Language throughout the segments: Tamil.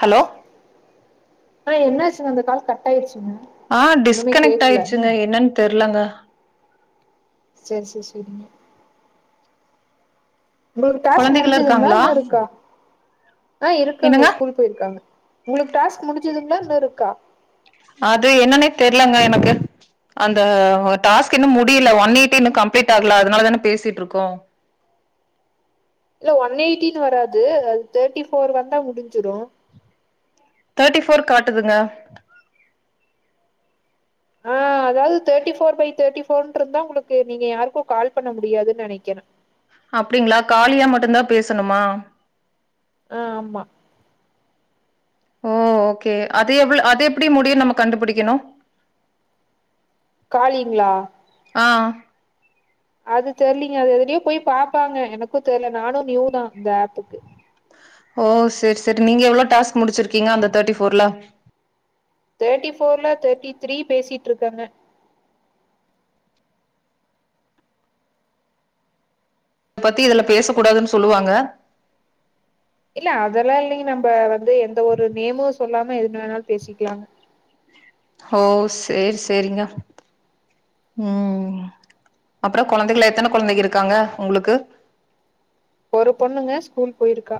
ஹலோ ஆ என்னாச்சுங்க அந்த கால் கட் ஆயிருச்சுங்க ஆ டிஸ்கனெக்ட் ஆயிருச்சுங்க என்னன் தெர்லங்க சேரி சேரி சேரிங்க உங்களுக்கு டாஸ்க் கொழந்தைகள் முடிஞ்சதுங்ளா இருக்காங்களா இன்னு இருக்கா ஆ இருக்குங்க என்னங்க ஸ்கூல் போய்ருக்காங்க உங்களுக்கு டாஸ்க் முடிஞ்சதுங்களா இன்னு இருக்கா அது என்னன்னே தெரிலங்க எனக்கு அந்த டாஸ்க் இன்னு முடியல ஒன் எய்ட்டி இன்னு கம்ப்ளீட் ஆகல அதனால தான பேசிட்ருக்கோ இல்ல ஒன் எயிட்டின்னு வராது அது தேர்ட்டி போர் வந்தா முடிஞ்சுறு தேர்ட்டி ஃபோர் காட்டுதுங்க ஆ அதாவது தேர்ட்டி ஃபோர் பை தேர்ட்டி போர்ருந்தா உங்களுக்கு நீங்க யாருக்கு கால் பண்ண முடியாதுன்னு நெனைக்கிறே அப்டிங்களா காலியா மட்டுந்தா பேசணுமா அ ஆமா ஓ ஓகே அது எவ்ளோ அது எப்டி முடியுனு நம்ம கண்டுபிடிக்கணு காலிங்ளா ஆ அது தெரிலிங்க அது எதுலயோ போய் பாப்பாங்க எனக்கு தெரில நானு நியூ தா இந்த ஆப்புக்கு ஓ சேரி சேரி நீங்க எவ்ளோ டாஸ்க் முடிச்சிருக்கீங்க அந்த தேர்ட்டி ஃபோர்ல தேர்ட்டி ஃபோர்ல தேர்ட்டி த்ரீ பேசிட்டுருக்கேங்க இதபத்தி இதுல பேச கூடாதுன்னு சொல்லுவாங்க இல்ல அதுல்லா இல்லைங்க நம்ம வந்து எந்த ஒரு நேமு சொல்லாம எதுன வேணாலு பேசிக்கலாங்க ஓ சேரி சேரிங்க ம் அப்புறோ கொழந்தைகுள எத்தன கொழந்தைங்க இருக்காங்க உங்குளுக்கு ஒரு பொண்ணுங்க ஸ்கூல் போய்ருக்கா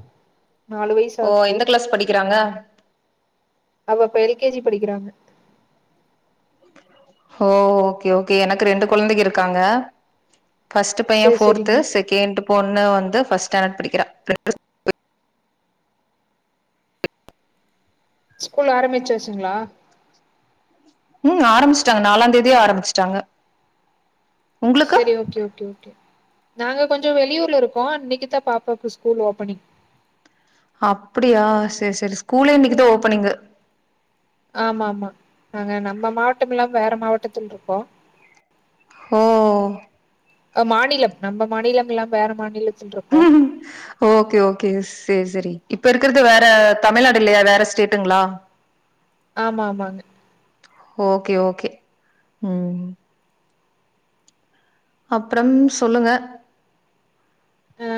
நாலு வயசு ஓ ஆகுது எந்த கிளாஸ் படிக்கிறாங்க அவ இப்ப எல் கே ஜி படிக்கிறாங்க ஓ ஓகே ஓகே எனக்கு ரெண்டு கொழந்தைங்க இருக்காங்க ஃபஸ்ட் பைய சேரி ஃபோர்த்து சேரிங்க செகண்ட் பொண்ணு வந்து ஃபஸ்ட் ஸ்டான்டர்ட் படிக்கிறா [inaudible] ஸ்கூல் ஆரமிச்சுச்சுங்ளா ம் ஆரம்பிச்ட்டாங்க நாலாந் தேதியே ஆரம்பிச்சுட்டாங்க உங்களுக்கு செரி ஓகே ஓகே ஓகே நாங்க கொஞ்சோ வெளியூர்ல இருக்கோ இன்னைக்குதா பாப்பாவுக்கு ஸ்கூல் ஓபனிங் அப்படியா செர் செரி ஸ்கூலே இன்னைக்குதா ஓபனிங்கு ஆமாமா நாங்க நம்ம மாவட்டம் இல்லாம வேற மாவட்டத்துல இருக்கோ ஓ அ மாநிலம் நம்ம மாநிலம் இல்லாம வேற மாநிலத்திலட்ருக்கு ஓகே ஓகே செரி செரி இப்ப இருக்கிறது வேற தமிழ்நாடு இல்லையா வேற ஸ்டேட்டுங்களா ஆமா ஆமாங்க ஓகே ஓகே ம் அப்றம் சொல்லுங்க அ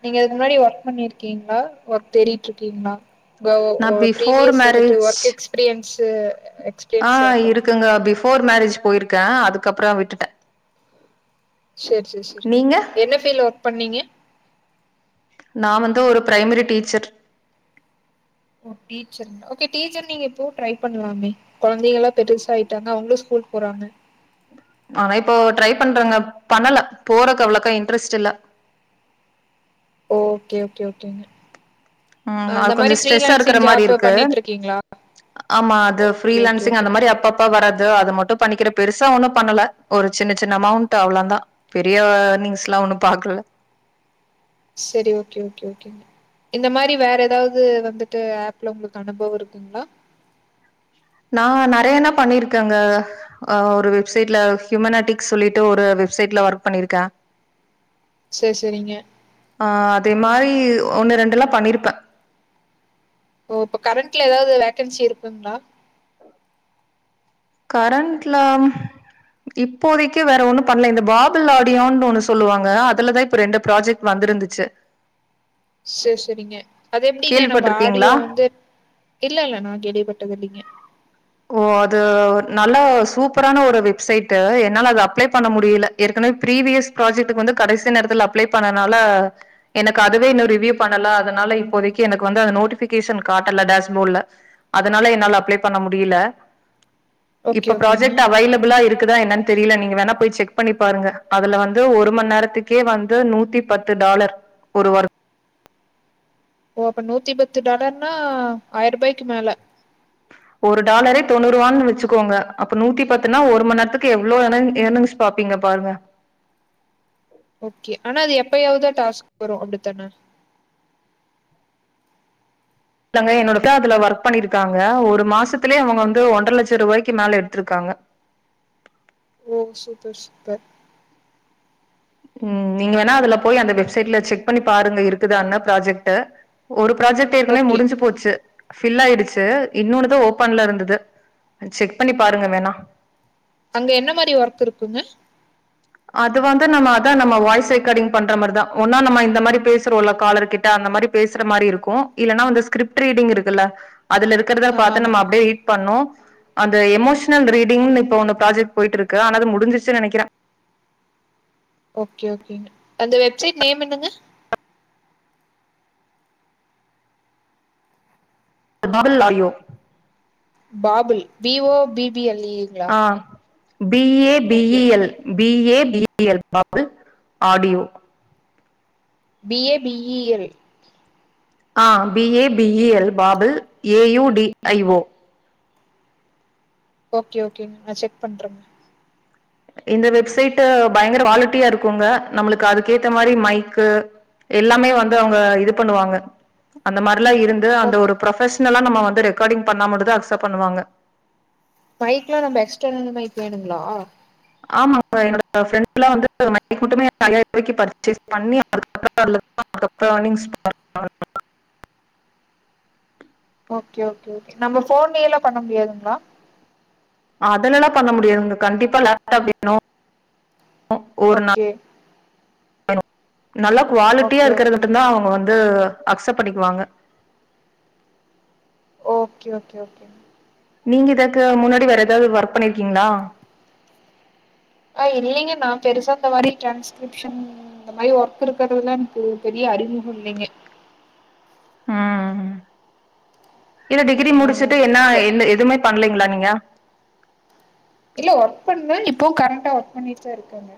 நீங்க இதுக்கு முன்னாடி ஒர்க் பண்ணிருக்கீங்ளா ஒர்க் தேடிட்ருக்கீங்ளா இப்ப நா ஒ பிஃபோர் பீரிவியஸ் வந்துட்டு மேரேஜ் ஒர்க் எக்ஸ்பீரியன்ஸு எக்ஸ் ஆ இருக்குங்க பிஃபோர் மேரேஜ் போயிருக்கே அதுக்கப்புறோ விட்டுட்டே சேர் சேர் செரிங்க நீங்க என்ன ஃபீல்ல ஒர்க் பண்ணீங்க நா வந்து ஒரு ப்ரைமரி டீச்சர் ஓகே டீச்சர் நீங்க எப்பவும் ட்ரை பண்ணலாமே கொழதைங்கல பெருசாயிட்டாங்க அவுங்களு ஸ்கூல்க் போறாங்க ஆனா இப்போ ட்ரை பண்றங்க பண்ணல போறக்கு அவ்ளக்கா இன்டரஸ்ட் இல்ல ஓகே ஓகே ஓகேங்க ஆமா அந்த அது மாரி கொஞ்ச ஸ்ட்ரெஸ்ஸா இருக்கற ஃப்ரீலான்சிங் மாரி ஜாப் இருக்கு பண்ணிட்டு இருக்கீங்களா ஆமா அது ஓகே ஓகே ஃரீலான்சிங் ஓகே அந்த மாரி அப்பப் அப்ப வராது அது மட்டு பண்ணிக்கிறே பெருசா ஒன்னு பண்ணல ஒரு சின்ன சின்ன அமௌண்ட் அவ்ள தா பெரிய யர்னிங்ஸ்ல்லா ஒண்ணு பாக்கல செரி ஓகே ஓகே ஓகே இந்த மாரி வேற எதாவ்து வந்துட்டு ஏப்ல உங்களுக்கு அனுபவோ இருக்குங்ளா நா நறையன்னோ பண்ணிருக்கங்க ஆ ஒரு வெப்சைட்ல ஹியூமனாட்டிக்ஸ் சொல்லிட்டு ஒரு வெப்சைட்ல ஒர்க் பண்ணியிருக்கே செரி சேரிங்க ஆ அதே மாரி ஒன்னு ரெண்டுல்லா பண்ணிருப்பே ஓ இப்ப கரண்ட்ல எதாவ்து வேக்கன்சி இருக்குங்ளா கரண்ட்லாம் இப்போதைக்கு வேற ஒன்னு பண்ணல இந்த பாபல் ஆடியோனு ஒன்னு சொல்லுவாங்க அதுலதா இப்ப ரெண்டு ப்ராஜெக்ட் வந்திருந்துச்சு செர் செரிங்க அது எப்டிங்க நம்ம ஆடியோ கேள்விப்பட்டிருக்கீங்களா வந்து இல்ல இல்ல நா கேள்விப்பட்டது இல்லங்க ஓ அது நல்ல சூப்பரான ஒரு வெப்சைட்டு என்னால அது அப்லே பண்ண முடியல ஏற்கனவே ப்ரிவியஸ் ப்ராஜெக்டுக்கு வந்து கடைசி நேரத்துல அப்லே பண்ணனால எனக்கு அதுவே இன்னு ரிவியூ பண்ணல அதனால இப்போதைக்கு எனக்கு வந்து அந்த நோட்டிபிகேஷன் காட்டல டேஷ்போட்ல அதனால என்னால அப்லே பண்ண முடியல ஓகே இப்ப ஓகேங்க பராஜெக்ட் அவைலபிளா இருக் இர்க்கு தா என்னன் தெரியில நீங்க வேணா போய் செக் பண்ணி பாருங்க அதுல வந்து ஒரு மண் நேரத்துக்கே வந்து நூத்தி பத்து டாலர் ஒரு ஒர்க் ஓ அப்ப நூத்தி பத்து டாலர்னா ஆயிர ரூபாய்க்கு மேல ஒரு டாலரே தொண்ணூ ரூவான்னு வச்சுக்கோங்க அப்ப நூத்தி பத்துனா ஒரு மண் நேரத்துக்கு எவ்ளோ [unintelligible] பாப்பீங்க பாருங்க ஓகே ஆனா அது எப்பயாவது டாஸ்க் வரு அப்டித்தான இல்லங்க என்னோட அக்கா அதுல ஒர்க் பண்ணிருக்காங்க ஒரு மாசத்துலே அவங்க வந்து ஒன்றர லட்ச ரூபாய்க்கு மேல எடுத்திருக்காங்க ஓ சூப்பர் சூப்பர் ம் நீங்க வேணா அதுல போய் அந்த வெப்சைட்ல செக் பண்ணி பாருங்க இருக்குதான்னு ப்ராஜெக்டு ஒரு ப்ராஜெக்ட் ஏற்கனவே ஓகே முடிஞ்சு போச்சு ஃபில் ஆயிடுச்சு இன்னொன்னுதா ஓபன்ல இருந்துது செக் பண்ணி பாருங்க வேணா அங்க என்ன மாரி ஒர்க் இருக்குங்க அது வந்து நம்ம அதா நம்ம வாய்ஸ் ரெக்கார்டிங் பண்ற மாரிதா ஒன்னா நம்ம இந்த மாரி பேசுறோம்ல காலர் கிட்ட அந்த மாரி பேசற மாரிருக்கு இல்லனா வந்த ஸ்கிரிப்ட் ரீடிங் இருக்குல்ல அதுல இருக்கறத ஆமா பாத்து ஆமா நம்ம அப்டியே ரீட் பண்ணோ அந்த எமோஷனல் ரீடிங்னு இப்ப ஒன்னு ப்ராஜெக்ட் போய்ட்டுருக்கு ஆனது முடிஞ்சிச்சு நெனைக்கிறே ஓகே ஓகேங்க அந்த வெப்சைட் நேம் என்னங்க பாபிள்லாயோ Babel B O B B L ங்களா ஆ B A B okay E L B A B E L Babel audio B A B E L ஆ B A B E L Babel A U D I O okay okay நா செக் பண்றேங்க இந்த வெப்சைட்டு பயங்கர குவாலிட்டியாருக்குங்க நம்ளுக்கு அதுக்கேத்த மாரி மைக்கு எல்லாமே வந்து அவுங்க இது பண்ணுவாங்க அந்த மாரிலா இருந் து ஓ அந்த ஒரு ப்ரொப்பஷனலா நம்ம வந்து ரெக்கார்டிங் பண்ண மட்டுதா அக்சப்ட் பண்ணுவாங்க மைக்லா நம்ம எஸ்ட்டர்னல் மைக் வேணுங்களா ஆமாங்க என்னோட ப்ரெண்ட் எல்லா வந்து மைக்கு மட்டுமே ஐய்யாயிரம் ரூபாக்கு பர்ஷஸ் பண்ணி அப்ராடுல இருந்துதா அதுக்கப்றோ யேனிங்ஸ் ஓகே ஓகே ஓகே நம்ம போன்லேயெல்லா பண்ண முடியாதுங்ளா அதுலல்லா பண்ண முடியாதுங்க கண்டிப்பா லேப்டாப் வேணு ஓகே னு நல்ல குவாலிட்டியா ஓகே இருக்கறத ஓகே மட்டுதா அவுங்க வந்து அக்சப்ட் பண்ணிக்குவாங்க ஓகே ஓகே ஓகே நீங்க இதற்கு முன்னாடி வேற ஏதாவது ஒர்க் பண்ணிருக்கீங்ளா ஆ இல்லைங்க நா பெருசா இந்த மாரி ட்ரான்ஸ்கிரிப்ஷன் இந்த மாரி ஒர்க் இருக்கிறதுலா எனக்கு பெரிய அறிமுகோ இல்லேங்க ம் இல்ல டிகிரி ஆ முடிச்சுட்டு என்னா இந்த எந் எதுவுமே பண்லிங்ளா நீங்க இல்ல ஒர்க் பண்ணே இப்போவு கரண்ட்டா ஒர்க் பண்ணிட்டு தா இருக்கேங்க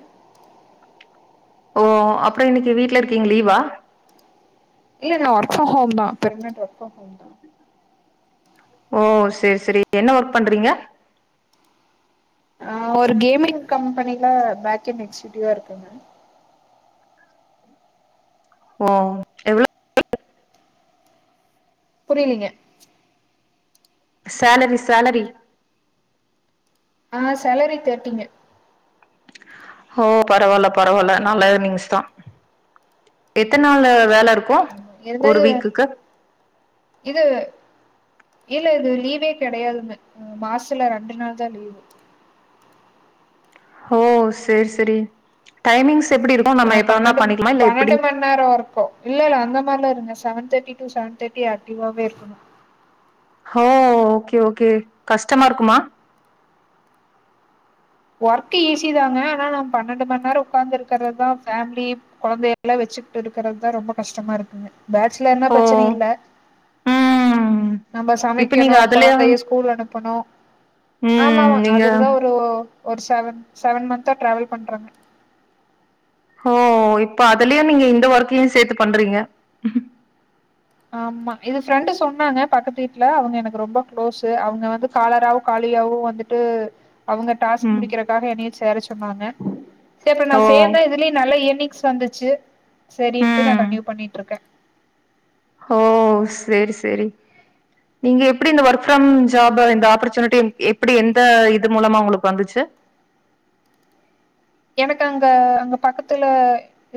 ஓ அப்புறோ இன்னைக்கு வீட்ல இருக்கீங்க லீவா இல்ல நா ஒர்க் ஃப்ரம் ஹோம் தா பெர்மனட் ஒர்க் ஃப்ரம் ஹோம் தா ஓ சேர் சேரி என்ன ஒர்க் பண்றீங்க ஆ ஒரு கேமிங் கம்பெனில பேக்கேன்ட் எக்ஸூகியுட்டிவா இருக்கேங்க ம் புரியலிங்க சேலரி சேலரி ஆ சேலரி தேட்டீங்க ஓ பரவால்ல பரவால்ல நல்ல இர்னிங்ஸ் தா எத்தன் நாளு வேல இருக்கு என்து இது இல்ல இது லீவே கிடையாதுன்னு மாச்த்துல ரெண்டு நாள் தா லீவு ஓ செர் செரி டைமிங்ஸ் எப்டி இருக்கு ஆ நம்ம எப்போவேனா பன்னெண்டு பண்ணிக்னும இல்ல பன்னெண்டு எப்டி மண் நேரோ இருக்கு இல்லல அந்த மாரில இருங்க seven thirty to seven thirty ஆக்டிவாவே இர்குனு ஓ ஓகே ஓகே கஷ்டமா இருக்குமா ஒர்க் ஈஸி தாங்க ஆனா நம் பன்னெண்டு மண் நேரோ உக்காந்து இருக்கற்ரதா ஃபேம்லி கொழந்தைய எல்லா வெச்சுக்கிட்டு இருக்கறத்தா ரொம்ப கஷ்டமா இருக்குங்க பேச்லர்னா ஓ பிரச்சனை இல்ல ம் நம்ப இப்ப சமைக்கணு நீங்க அதுலயா குழந்தைய ஸ்கூல் அனுப்பணு ம் ஆமாமா அதுகுதா நீங்க ஒரு ஒரு செவன் செவன் மந்த்தா டிரவல் பண்றாங்க ஓ இப்ப அதுலியு நீங்க இந்த ஓர்க்கயு சேத்து பண்றீங்க ஆமா இது ஃப்ரெண்டு சொன்னாங்க பக்கத்து வீட்ல அவுங்க எனக்கு ரொம்ப க்ளோஸ் அவுங்க வந்து காலராவோ காலியாவு வந்துட் டு அவுங்க டாஸ்க் ம் முடிக்கிறக்காக என்னையு சேர சொன்னாங்க செ அப்பற நா ஓ சேர்ந்த இதுலயு நல்ல இயர்ன்னிங்ஸ் வந்திச்சு சரின்ட்டு நான் ம் கன்டினியூ பண்ணிட்ருக்கே ஓ சேர் சேரி நீங்க எப்டி இந்த ஒர்க் ஃப்ரம் ஜாப் இந்த ஆப்பர்ச்சுனிட்டி எப்டி எந்த இது மூலமா உங்களுக்கு வந்துச்சு எனக்கு அங்க அங்க பக்கத்துல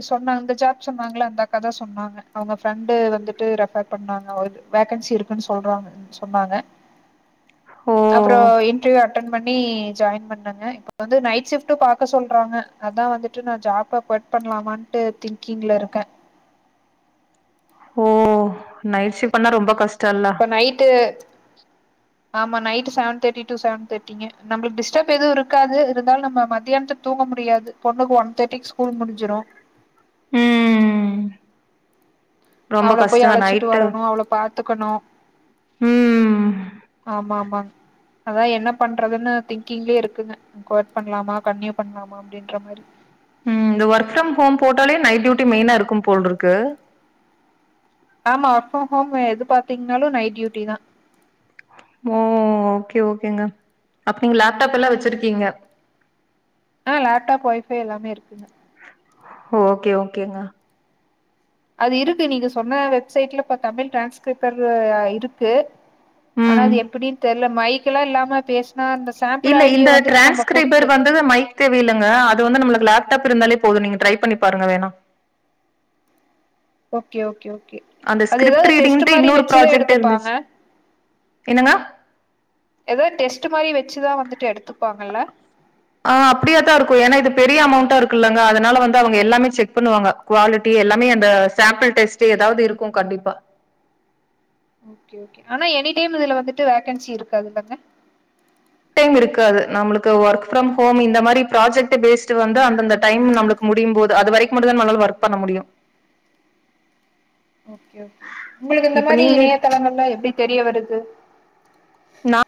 சொன்னாங்க இந்த ஜாப் சொன்னாங்கள அந்தாக்கா தா சொன்னாங்க அவுங்க ஃப்ரெண்டு வந்துட்டு ரெஃபர் பண்ணாங்க வேகன்சி இருக்குன் சொல்றாங்க சொன்னாங்க ஓ அப்புற இன்டர்வியூ அட்டன் பண்ணி ஜாயின் பண்ணங்க ப்ப வந்து நைட் ஷிஃப்ட் பாக்க சொல்றாங்க அதா வந்துட்டு நா ஜாப்ப கொய்ட் பண்ணலாமான்ட்டு திங்கிங்ல இருக்கே ஓ நைட் ஷிப் பண்ணா ரொம்ப கஷ்டல்ல இப்ப நைட்டு ஆமா night seven thirty to seven தேர்டிங்க நம்புளுக் டிஸ்டர்ப் எதுவு இருக்காது இருந்தாலு நம்ப மதியானதுக் தூங்க முடியாது பொண்ணுகு ஒன் தேர்டிக்கு ஸ்கூல் முடிஞ்சிரு ம் ரொம்ப அவள போய் கஷ்டந்தா அழைச்சிட்டு நைட்டு வரணு அவள பாத்துக்கணு ம் ஆமாமாங் அதா என்ன பண்றதுன்னு திங்கிங்லே இருக்குங்க குய்ட் பண்லாமா கண்ட்னியூ பண்லாமா அப்படின்ற மாரி ம் இந்த ஒர்க் ஃப்ரம் ஹோம் போட்டாலே நைட் டியூட்டி மெய்னா இருக்கும் போல் இருக்கு ஆமா ஒர்க் ப்ரம் கோம் எது பாத்தீங்ன்னாலு நைட் டியூட்டி தா மோ ஓகே ஓகேங்க அப்ப நீங்க லேப்டாப் எல்லா வச்சிருக்கீங்க அ லப்டாப் ஒய்ஃபை எல்லாமே இருக்குங்க ஓ ஓகே ஓகேங்க அது இருக்கு நீங்க சொன்ன வெப்சைட்ல இப்ப தமிழ் டிரான்ஸ்கிரிப்பரு இருக்கு ஆனா ம் அது எப்டின் தெர்ல மைக்கெல்லா இல்லாம பேஸ் இல்ல இந்த டிரான்ஸ்கிரைபர் வந்து மைக் தேவையில்லைங்க அது வந்து நம்ளுக்கு லேப்டாப் இருந்தாலே போது நீங்க ட்ரை பண்ணி பாருங்க வேணா ஓகே ஓகே ஓகே அந்த அது ஸ்கிரிப்ட் எதாவ்து டெஸ்ட் ரீடிங்ன்ட்டு மாரி இன்னொரு வச்சு ப்ராஜெக்ட் இருந்துச்சு எடுத்துப்பாங்க என்னங்க ஏதோ டெஸ்ட் மாரி வச்சுதா வந்துட்டு எடுத்துப்பாங்கல்ல ஆ அப்டியாதா இருக்கு ஏனா இது பெரிய அமௌண்டா இருக்கு இல்லங்க அதனால வந்து அவுங்க எல்லாமே செக் பண்ணுவாங்க குவாலிட்டி எல்லாமே அந்த சாம்பிள் டெஸ்ட் ஏதாவ்து இருக்கு கண்டிப்பா ஓகே ஓகே ஆனா எனி டைம் இதுல வந்துட்டு வேகன்சி இருக்காதுல்லங்க எனி டைம் இருக்காது நம்ளுக்கு ஒர்க் ஃப்ரம் ஹோம் இந்த மாரி ப்ராஜக்ட்டு பேஸ்ட் வந்து அந்தந்த டைம் நம்ளுக்கு முடியும் போது அது வரைக்கு மட்டு தா நம்மளால ஒர்க் பண்ண முடியு ஓகே ஓகே உங்ளுக்கு இந்த இப்ப மாரி நீங்க இணையதளங்கள்லா எப்டி தெரிய வருது நா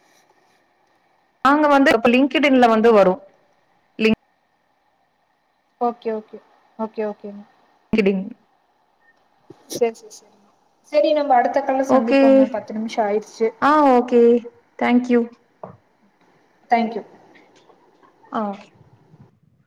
நாங்க வந்து இப்ப லிங்க்டு இன்ல வந்து வரு ஓகே ஓகே ஓகே ஓகேங்க கிடிங் செரி செரி செரி சரி நம்ம அடுத்த கால்ல ஓகே சந்திப்போங்க பத்து நிமிஷோ ஆயிடுச்சு ஆ okay thank you thank you ah